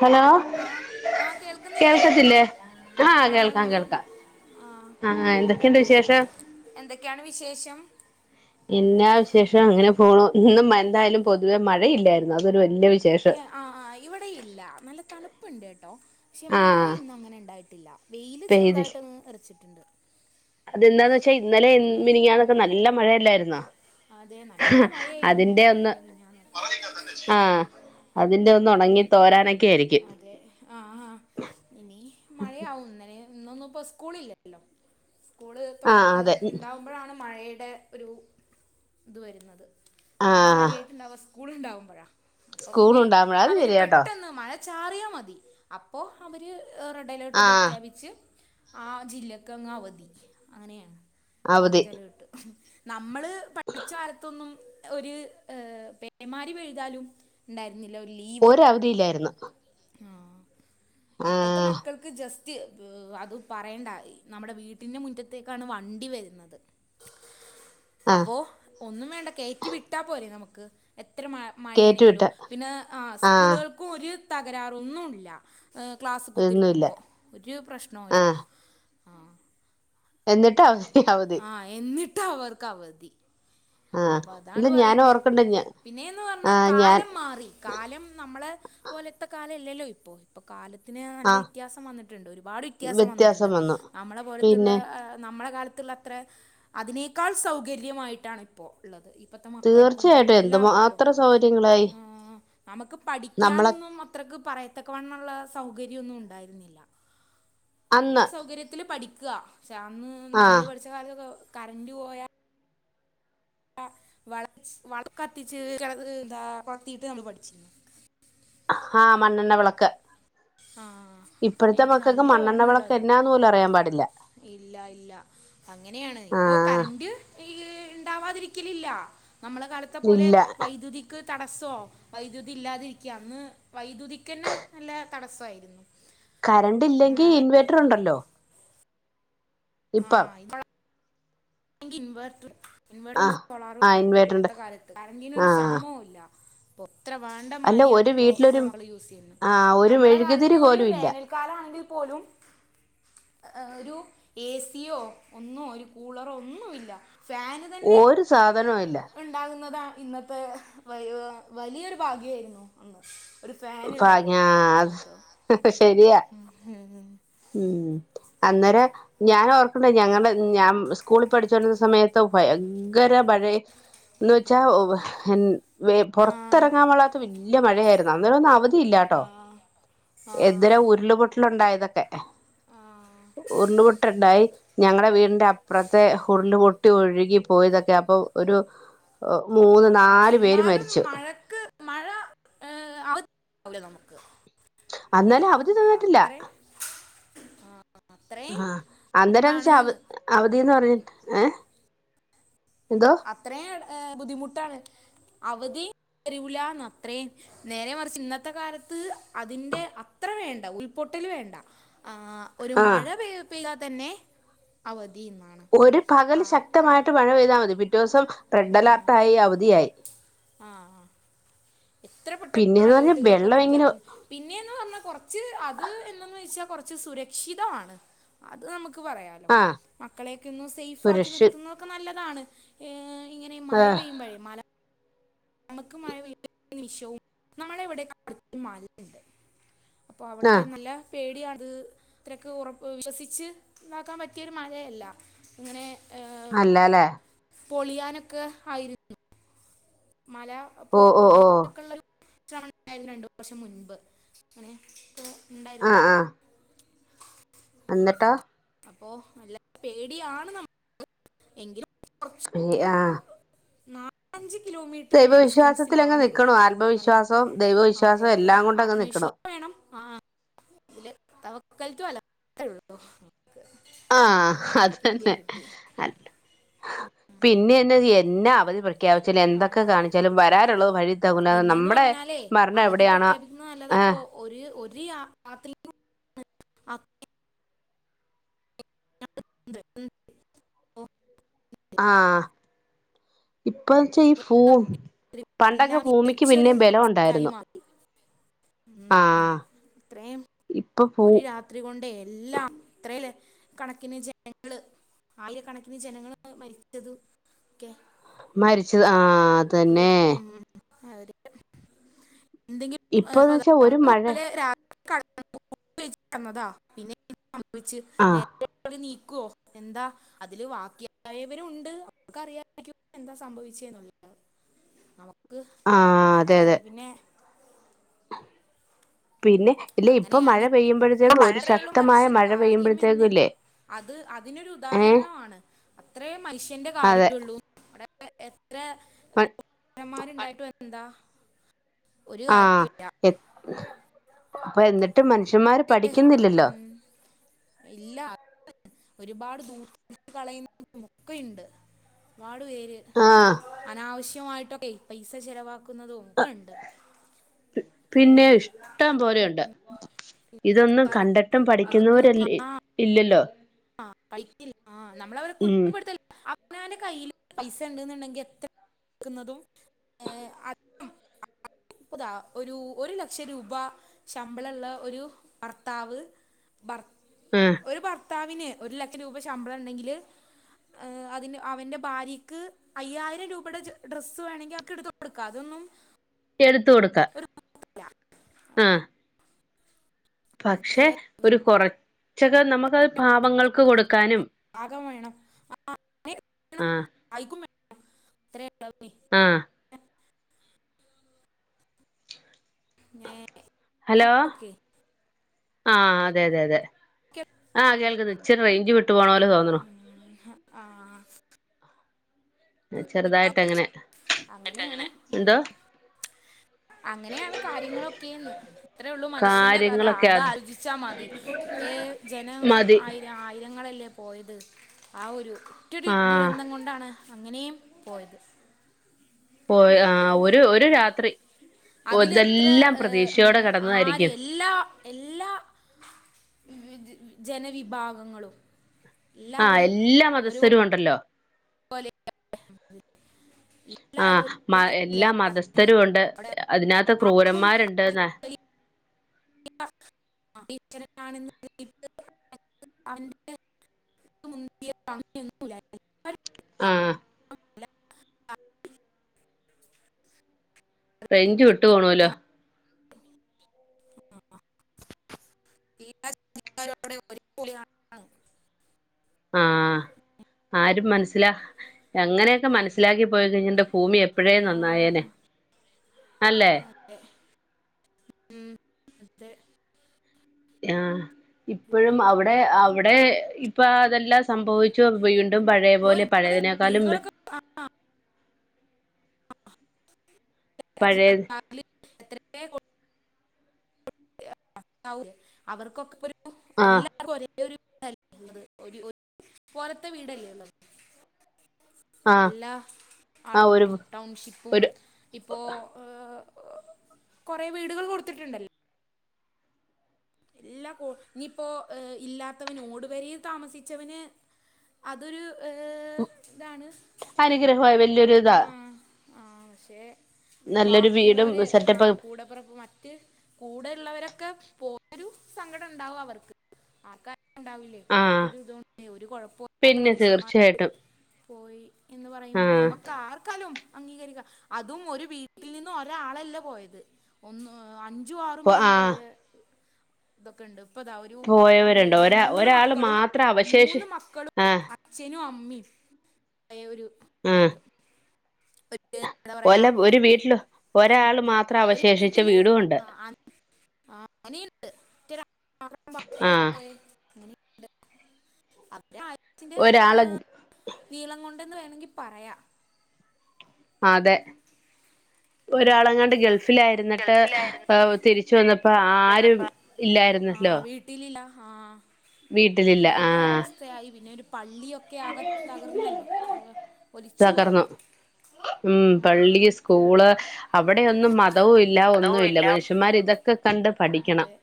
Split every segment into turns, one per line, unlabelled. Hello
ആ ആ കേൾക്കുന്നില്ലേ
കേൾക്കത്തില്ലേ ആ കേൾക്കാം കേൾക്കാം ആ എന്തൊക്കെയുണ്ട് വിശേഷം
എന്തൊക്കെയാണ് വിശേഷം
എന്നാ വിശേഷം ഇങ്ങനെ പോണു ഇന്ന് എന്തായാലും പൊതുവെ മഴയില്ലായിരുന്നു അതൊരു വലിയ വിശേഷം
ആ ആ ഇവിടെ ഇല്ല നല്ല തണുപ്പുണ്ട്ട്ടോ പക്ഷെ മഴ
ആഹ്
ഇന്ന് അങ്ങനെ ഇണ്ടായിട്ടില്ല വെയില് ചെറുതായിട്ട്ന്ന്റച്ചിട്ടുണ്ട്
അതെന്താന്ന്ച്ചാ ഇന്നലെ മിനിഞാന്നൊക്കെ നല്ല മഴയല്ലായിരുന്ന
അതെ നല്ല മഴയായിരുന്നു ഇല്ലെ കുഞ്ഞ നോക്കി ഉം
ആഹ് അതിന്റെ ഒന്ന് ഉണങ്ങിട്ട് തോരാനൊക്കെ ആയിരിക്കും
അതെ ആ ആ ഇനി മഴയാവും ഇന്നലെ ഇന്നൊന്നും ഇപ്പോ സ്കൂളില്ല സ്കൂള്
ആഹ്
തുറന്ന്
അതെ
ഇണ്ടാവുമ്പോഴാണ് മഴേടെ ഒരു ഇത് വരുന്നത് മഴ
ആഹ്
കാര്യമായിട്ടുണ്ടാവ സ്കൂള് ഇണ്ടാവുമ്പഴ അപ്പൊ
സ്കൂൾ
പിന്നെ
ഉണ്ടാവുമ്പോഴ അത്
അവര്
ശരിയാട്ടോ
പെട്ടെന്ന് മഴ ചാറിയാ മതി അപ്പോ അവര് റെഡ് അലർട്ട്
ആഹ്
പ്രഖ്യാപിച്ച് ആ ജില്ലക്ക് അങ്ങ് അവധി അങ്ങനെയാണ്
അവധി
ഓറഞ്ച് അലേർട്ട് നമ്മള് പഠിച്ച കാലത്തൊന്നും ഒരു ഏ പേമാരി പെയ്താലും ഇണ്ടായിരുന്നില്ല ഒരു ലീവ്
അവധിയിയിലായിരുന്ന്
ആ ഇപ്പത്തെ മക്കൾക്ക് ജസ്റ്റ് അത് പറയണ്ട നമ്മുടെ വീട്ടിന്റെ മുറ്റത്തേക്കാണ് വണ്ടി വരുന്നത്
ആഹ്
അപ്പോ ഒന്നും വേണ്ട കയറ്റി വിട്ടാ പോരെ നമുക്ക് എത്ര മ
കേറ്റു
മഴേണെങ്കിലും
വിട്ട
പിന്നെ ആ
ആഹ്
സ്കൂളുകൾക്കും ഒരു തകരാറൊന്നുല്ല ക്ലാസ്
ഒന്നുല്ല
കുത്തിരിക്കുമ്പോ ഒരു പ്രശ്നോല്ല
ആഹ്
ആ
എന്നിട്ട് അവസ്ഥ അവധി
എന്നിട്ടും അവർക്ക് അവധി
ആഹ്
അപ്പൊ
ഇത്
അതാണ്
ഞാൻ
പറയുന്നേ
ഓർക്കണ്ട് ഞ
പിന്നെയന്ന് പറഞ്ഞാ
ആഹ് ഞാൻ
കാലം മാറി കാലം നമ്മളെ പോലെത്തെ കാലം അല്ലല്ലോ ഇപ്പോ ഇപ്പ കാലത്തിന് നല്ല
ആഹ്
വ്യത്യാസം വന്നിട്ടുണ്ട് ഒരുപാട് വ്യത്യാസം വന്നിട്ടുണ്ട് നമ്മളെ പോലത്തുള്ള
പിന്നെ
നമ്മളെ കാലത്ത്ള്ള അത്ര അതിനേക്കാൾ സൗകര്യമായിട്ടാണ് ഇപ്പോ ഉള്ളത് ഇപ്പത്തെ മക്കൾക്കും
തീർച്ചയായിട്ടും
എല്ലാവർക്കും
എന്തുമാത്രം സൗകര്യങ്ങളായി
ആഹ് നമുക്ക്
നമ്മളെ
പഠിക്കാനൊന്നും അ ത്രയ്ക്ക് പറയത്തക്കവണ്ണള്ള സൗകര്യൊന്നും ഉണ്ടായിരുന്നില്ല. ഇള്ള
അന്ന്
സൗകര്യത്തില് പഠിക്കാ ക്ഷേ അന്ന് നമ്മള്
ആഹ്
പഠിച്ച കാലത്തൊക്കെ കറന്റ് പോയാ [unintelligible] വള വളക്ക് കത്തിച്ച് ക എന്താ കൊളത്തിട്ട് നമ്മൾ പഠിച്ചിനി.
ആഹ് മണ്ണെണ്ണ വെളക്ക്.
ആഹ്
ഇപ്പോഴത്തെ മക്കൾക്ക് മണ്ണെണ്ണവിളക്ക് എന്നാന്ന് പോലും അറിയാൻ പാടില്ല.
ഇല്ല ഇല്ല അങ്ങനെയാണ് ഇപ്പോ കറ
ആഹ്
ന്റ് ഇ ഇണ്ടാവാതിരിക്കലില്ലാ നമ്മടെ കാലത്തെ പോലെ
ഇല്ല
വൈദ്യുതി ക്ക് തടസ്സോ വൈദ്യുതി ഇല്ലാതിരിക്ക്യാ അന്ന് വൈദ്യുതിക്കന്നെ നല്ല തടസ്സമായിരുന്നു.
കറണ്ട് ഇല്ലെങ്കിൽ
നമ്മളെ കാലത്ത്
ഇൻവേർട്ടർ ഉണ്ടല്ലോ ഇപ്പം
ഇൻവെർട്ടറും ഇൻവെർട്ടറും
ആഹ്
സോളാറും ഒക്കെ
ആഹ്
ഉണ്ട്
ഇൻവേർട്ടർണ്ട്
ഇന്നത്തെ കാലത്ത് കറന്റിനൊരു
ആഹ്
ക്ഷാമവും ഇല്ല. ഇപ്പോ എത്ര വേണ്ട
അല്ല
മാരിയാണ്
ഒരു
ഇപ്പോ
വീട്ടിലൊരു
നമ്മള് യൂസ് ചെയ്യുന്നത്
ആ ഒരു
നമ്മളെ
മെഴുകുതിരി
കാലത്ത് ഒരു
പോലും ഇല്ല
വേനൽ കാലമാണെങ്കിൽ പോലും ഏഹ് ഒരു ഏ സിയോ ഒന്നോ ഒരു കൂളറോ ഒന്നുമില്ല ഫാന് തന്നെ
ഒരു സാധനവും ഇല്ല.
ഉണ്ടാകുന്നതാ ഇന്നത്തെ വ വലിയൊരു ഭാഗ്യമായിരുന്നു. അന്ന് ഒരു ഫാൻ ഉള്ളത്
ഭാഗ്യാ
തന്നെ നമുക്ക്
ശരിയാ
ഉം
ഉം അന്നേരം ഞാൻ ഓർക്കിണ്ട് ഞങ്ങള് ഞാൻ സ്കൂളിൽ പഠിച്ചോണ്ടിരുന്ന സമയത്ത് ഭയങ്കര മഴ എന്ന് വെച്ചാൽ ഒ വെ
ആ
പൊറത്തിറങ്ങാൻ പാടില്ലാത്ത വല്യ മഴയായിരുന്നു അന്നേരം ഒന്നും അവധി ല്ലാട്ടോ
ആ ആ
എന്തോരോ ഉരുളപൊട്ടലുണ്ടായതൊക്കെ.
ആ
ഉരുള്പൊട്ടുണ്ടായി ഞങ്ങടെ വീടിന്റെ അപ്പുറത്തെ ഉരുള് പൊട്ടി ഒഴുകി പോയതൊക്കെ അപ്പോ ഒരു ഓഹ് മൂന്ന്
ആ,
നാലു പേര്
എന്നാലും
മരിച്ചു.
മഴക്ക് മഴ ഏഹ് [unintelligible] നമുക്ക്
അന്നേരം
ന്നാലും
അവധി തന്നിട്ടില്ല
അത്രയും ആഹ്
ആഹ് അന്നേരന്ന് വെച്ചാ അവ അവധിയെന്ന് പറഞ്ഞിട്ട് ഏഹ് എന്തോ?
അത്രയും ബുദ്ധിമുട്ടാണ് അവധിയും തരൂലാന്ന് അത്രയും നേരെ മറിച്ച് ഇന്നത്തെ കാലത്ത് അതിന്റെ അത്ര വേണ്ട ഉരുൾപൊട്ടൽ വേണ്ട ആഹ് ഒരു
ആഹ്
മഴ പെയ് പെയ്താ തന്നെ അവധിയുമാണ്.
ഒരു പകല് ശക്തമായിട്ട് മഴ പെയ്താൽ മതി പിറ്റേ ദിവസം റെഡ് അലേർട്ട് ആയി അവധിയായി.
ആഹ് ആഹ് ഏത്ര പെട്ടന്നാ
പിന്നെന്ന് പറഞ്ഞാ
അലേർട്ടുകളൊക്കെ
വെള്ളം എങ്ങനെ
പ്രഖ്യാപി പിന്നെയന്ന് പറഞ്ഞാ കുറച്ച് അത് എന്തെന്ന് വെച്ചാ കുറച്ച് സുരക്ഷിതമാണ്. അത് നമുക്ക് പറയാം.
ആഹ്
മക്കളെയൊക്കെ ഒന്ന് സേഫ് ആക്കി
സുരക്ഷി
നിർത്തുന്നതൊക്കെ നല്ലതാണ് ഏഹ് ഇങ്ങനെ മഴ
ആഹ്
പെയ്യുമ്പോഴേ. നമക്കു മഴ പെയ്യുമ്പോ [unintelligible] അപ്പോ അവിടെക്കെ
ആഹ്
നല്ല പേടി അത് ഇത്രൊക്കെ ഉറപ്പ് വിശ്വസിച്ചു ഇതാക്കാൻ പറ്റിയ ഒരു മഴയല്ല.
അല്ലാല്ലേ?
പൊളിയാനൊക്കെ ആയി [unintelligible] മല പൊ
ഓഹ് ഓഹ് ഓഹ്
പൊളിക്കാനെക്കെയുള്ള ഒരു ശ്രമമുണ്ടായിരുന്നു രണ്ടു വർഷം മുൻപ് അങ്ങനെ [unintelligible] ഇണ്ടായിരുന്നു.
അന്നിട്ടോ?
അപ്പോ നല്ല പേടിയാണ് ന എങ്കിലും [inaudible]
ഈ ആഹ്
അഞ്ച് കിലോമീറ്റർന്റെ
ദൈവവിശ്വാസത്തിലങ്ങ്
ഡിസ്റ്റൻസിലാണ്
നിക്കണു
മല
ആത്മവിശ്വാസവും
അതെ
ദൈവവിശ്വാസവും
അതെ
എല്ലാം കൊണ്ടങ്ങ് നിക്കണു
ആത്മവിശ്വാ വേണം ആഹ് ല് തവക്കൽത്തു അലള്ള
ആഹ് അത് തന്നെ
കിട്ടി
അ പിന്ന്യെന്നാ എന്നി അവധി പ്ര ഖ്യാപിച്ചാലും
ആ
എന്തൊക്കെ കാണിച്ചാലും വരാനൊള്ളത് വഴി തങ്ങൂലാന്ന്
പിന്നെന്ന്
നമ്മുടെ
പറഞ്ഞാലേ
മര്ണം എവ്ടെയാണോ ആഹ്
ഒര് ഒര് യാ രാത്രി [unintelligible]
ആഹ് ഇപ്പച്ചാ ഈ ഫൂ പണ്ടൊക്കെ
എല്ലാം
ഫൂമിക്ക്
മികച്ചൊരു
പിന്നേം ബലം
അവസ്ഥയായി
ഒണ്ടായിര്ന്നു
മാറി ഉം,
ആഹ് ഇപ്പ ഫൂ
ത്രി കൊണ്ടെ എല്ല ത്രേ കണക്കിന് ജനങ്ങള് ആയിരക്കണക്കിന് ജനങ്ങള് മരിച്ചതും ഒക്കെ
മരിച്ച ആഹ്
ഒക്കെരു
അതന്നെ
ഉം അവര്ക് എന്തെങ്കി
ഇപ്പൊന്ന് വെച്ചാ ഒരു
[unintelligible]
മഴ
പോലെ രാ [unintelligible]
ആഹ്
നീക്കൊ എന്താ അതില് വാക്യായവരു ഉണ്ട് അവർക്കറ്യായിരിക്കും എന്താ സംഭവിച്ചേന്നു [unintelligible]
ആഹ് അതെയതെ
ഏഹ്, പിന്നെ
പിന്നെ ഇല്ല ഇപ്പൊ മഴ
അങ്ങനെയാണ്
പെയ്യുമ്പോഴത്തേക്കും ഒരു
[unintelligible]
ശക്തമായ
മനുഷ്യൻ
മഴ
കാര്യമെന്നെ
പെയ്യുമ്പോഴത്തേക്കും
പ
ഇല്ലേ
അത് അതിനൊരു
ഏഹ്
ഉദാഹരണവാണ് അത്രേ മനുഷ്യന്റെ കാര്യൊള്ളൂ അവിടെ [unintelligible] എത്ര
മ
മ്മാര്ണ്ടായിട്ട്വെന്താ
ആഹ് എ പ്പ എന്നിട്ടും മൻഷ്യമ്മാര് പഠിക്കുന്നില്ലല്ലൊ
ഉം ഇല്ല അ ഒരുപാട് ദൂർത്തടിച്ചു കളയുന്നുമൊക്കെയുണ്ട് പാടുപേര്
ആഹ്
അനാവശ്യമായിട്ടൊക്കെ പൈസ ചെലവാക്കു ന്നതും ഒക്കെണ്ട് എത്രേ
പിന്നെ ഇഷ്ടം പോലെയൊണ്ട്
ഇന്നത്തെ
ഇതൊന്നും
കാലത്ത്
കണ്ടട്ടും പഠിക്കുന്നോര് ൽ
അതൊന്നും ആ
ഇല്ലല്ലോ
ആ പഠിക്കില്ല ആ നമ്മളവരെ
ഉം
കുറ്റപ്പെടുത്തല്ല അവനാന്റെ കയ്യില് പൈസണ്ട്ന്നുണ്ടെങ്കിൽ എത്ര ചിലവാക്കുന്നതും [unintelligible] പ്പതാ ഒരു ഒരു ലക്ഷം രൂപ ശമ്പളള്ള ഒരു ഭർത്താവ് ഭർ
ഉം
ഒരു ഭർത്താവിന് ഒരു ലക്ഷം രൂപ ശമ്പളണ്ടെങ്കില് ഏഹ് അതി അവന്റെ ഭാര്യയ്ക്ക് അയ്യായിരം രൂപേടെ ജെ ഡ്രസ്സ് വേണങ്കി അവക്ക്‌ എടുത്തൊ ട്ക്ക അതൊന്നും
എടുത്ത് കൊടുക്ക
ഒരു ഇല്ല
ആഹ് പക്ഷെ
പക്ഷേ
ഒരു കുറചൊക്കെ നമുക്കത് പാവങ്ങൾക്ക് കൊടുക്കാനും
പാകം വേണം ആ [unintelligible] വേണം
ആഹ്
അത്ര അള
ആഹ്
ന്നേ
ഹലോ ആഹ് അതെ അതെ അതെ ആഹ് കേൾക്ക്ന്ന് ഇചെരെ റേയ്ഞ്ച് വിട്ടു പോണ പോലെ തോന്നണു
ആഹ്
ചെർതായിട്ടങ്ങനെ.
അങ്ങനെയാണ്
എന്തോ?
അങ്ങനെയാണ് കാര്യങ്ങളൊക്കെ ന്ന്. ഇത്രേള്ളൂ മനുഷ്യന്റെ കഥ
കാര്യങ്ങളൊക്കെ അത്
അതാലോചിച്ചാ മതി [unintelligible] ജനം
മതി
ആയി. ആയിരങ്ങളല്ലേ പോയത് ആ ഒരു ഒറ്റൊരു
ആഹ്
ദുരന്തം കൊണ്ടാണ്. അങ്ങനെയും പോയത്
പോയ ആഹ് ഒരു ഒരു രാത്രി
അതില് എത്ര
ഇതെല്ലാം
ഏഹ്
പ്രതീക്ഷയോടെ
മ്മ് ആര്
കടന്നതായിരിക്കും
എല്ലാ എല്ലാ വി ദ ജനവിഭാഗങ്ങളും.
ആഹ്
എല്ലാവരും
എല്ലാ മതസ്ഥരും ഒണ്ടല്ലോ?
പോലെ [unintelligible]
ആഹ് മ എല്ലാ
നടക്കുന്നത്
മതസ്ഥരും ഉണ്ട്
അവിടെ
അതിനകത്ത്
ആർക്കും
ക്രൂരന്മാര്ണ്ട്
അതൊരു
ന്ന
വലിയ
[inaudible]
[unintelligible] [unintelligible]
ആഹ്
[unintelligible]
റൈഞ്ച് വിട്ടു പോണോലോ?
[unintelligible]
ആഹ് ആരും മൻസ്സിലാ എങ്ങനെയൊക്കെ മൻസ്സിലാക്കി പോയി കഴിഞ്ഞന്റെ ഭൂമി എ പ്പഴേ
ആ,
നന്നായേനെ. അല്ലേ?
ഉം അതെ.
ആഹ് ഇപ്പഴും അവടെ അവടെ ഇപ്പൊ അതെല്ലാം സംഭവിച്ചു വീ ണ്ടും
അപ്പൊ
പഴേപോലെ
ഒരുപാട്
പഴേതിനെക്കാലും.
വീടുകളൊക്കെ ആ, [unintelligible]
പഴയ
നാട്ട്ല് [unintelligible] അവർക്കൊക്കെപ്പൊര്
ആഹ്
എല്ലാർക്കും ഒരേ ഒര് [unintelligible] പോലത്തെ വീടല്ലേ ഉള്ള.
ആഹ്
എല്ലാ
ആഹ് ഒരു
ആളുകൾക്കും ടൗൺഷിപ്പും.
ഒരു
ഇപ്പോ ഹ് കൊറേ വീട്കൾ കൊടുത്തിട്ട്ണ്ട് ല്ലാക്കൊ ഇഞ്ഞിപ്പോ ഹ് ഇല്ലാത്തവന് ഓടുപെരേ താമസിച്ചവന്. അതൊരു ഹ് താണ്.
അനുഗ്രഹവായി വല്ല്യോരു ഇതാ.
ആഹ് ഷെ
നല്ലൊരു വീടും
വാക്കിള്ളവര്
സെറ്റപ്പ്
ആഹ് കൂടപ്പറപ്പ് മറ്റ്. കൂടെ ള്ളവരൊക്കെ പോ രു സങ്കടം ണ്ടാവും അവർക്ക്. ആർക്കായാലും ണ്ടാവില്ലേ?
ആഹ്
തൊരു തോ ഒരു കൊഴപ്പോ ത്താ
പിന്നെ
മനുഷ്യന്മാ ര്.
തീർച്ചയായിട്ടും
പോയി എന്ന് പറയുമ്പോ
ആഹ്
നമ ആർക്കാലും അംഗീകരിക്കാ അതും ഒരു വീട്ടിൽ നിന്നും ഒരാളല്ല പോയത്. ഒന്ന് അഞ്ചു ആറും
പോ
പേര് പോയ
ആഹ്
തൊക്കെണ്ട്. പ്പതാ ഒരു
പോയവരുണ്ട്
അമ്മയുടെ
ഒരാ
മൂന്ന്
ഒരാള്
മക്കളും
മാത്രം അവശേഷി
മൂന്ന് മക്കളും
ആഹ്
അ ച്ഛനും അമ്മിം ആയൊരു
ആഹ്
എന്താ പറയാ
ഒല്ല ഒരു വീട്ട്ല്
ഉം,
ഒരാള് മാത്രം അവശേഷിച്ച വീടുണ്ട്.
ആഹ് അങ്ങ നീണ്ട് [unintelligible]
ആഹ്
പോയെ. ങ്ങ നീ ണ്ട് അവ ടെ ആയ് സ്സിന്റെ
ഒരാള്
ആഹ് നീളം കൊണ്ടെന്ന് വേണെങ്കി പറയാ.
അതെ ഒരാളെങ്ങാണ്ട് ഗൾഫിലായിരുന്നിട്ട്
ഗൾഫിലായിരുന്നു
ഹ് തിരി ച്ച് വന്നപ്പോ ആരും ഇല്ലായിരുന്നല്ലോ.
ട്ടിലില്ലാ ഹാ
വീട്ടിലില്ല
അങ്ങനെരു
ആഹ്
അവസ്ഥയായി പിന്നെ ഒരു പള്ളിയൊ ക്കെ ആകെ തകർന്നല്ലോ ആകെ ഒലിച്ചു
തകർന്നു
പോയല്ലോ.
ഉം പള്ളി
ആകെ
സ്കൂള് അവിടെയൊന്നും
ഒക്കെ
മതവും ഇല്ല
അതവും
ഒന്നുല്ല
ഇല്ല
മനുഷ്യ മ്മാര് ഇതൊക്കെ കണ്ട് പഠിക്കണം
അതെ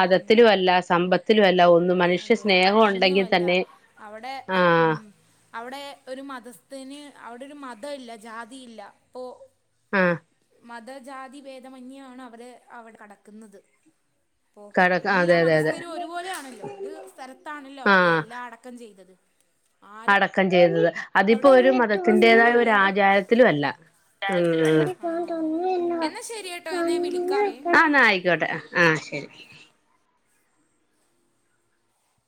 ഉം
അല്ലാ സമ്പത്തിലും അല്ലാ ഒന്നും. മനുഷ്യ സ്നേഹൊണ്ടെങ്കി തന്നെ
അവടെ
ആഹ്
ഉം അവടെ ഒരു മതസ് ത്തിന് അവിടൊരു മതല്ല ജാതില്ല പ്പോ
ആഹ്
മതജാതി ഭേദമന്യോണ് അവര് അവടെ കെടക്ക്ന്നത് പ്പൊ
കട
എല്ലാ
അതെ അതെ അതെ
മതസ്ഥരും ഒരുപോലെയാണല്ലോ ഒരു സ്ഥലത്താണല്ലോ അവരെ
ആഹ്
എല്ലാ അട ക്കം ചെയ്തത് ആ
അടക്കം ചെയ്തത് അതിപ്പോ ഒരു
ഒന്നും
മതത്തിന്റേതായ
ഇല്ലല്ലോ
ഒരാചാരത്തിലുലല്ല
കാര്യത്തിലും അല്ല
ഉം
ആഹ് എന്നാ ശരി കേട്ടോ എന്ന ഞാൻ വിളിക്കാവേ
ന്ന ആയിക്കോട്ടെ ആ ശെരി